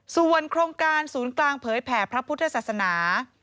ส่วนโครงการศูนย์กลางเผยแผ่พระพุทธศาสนา